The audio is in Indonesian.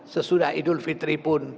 sesudah idul fitri pun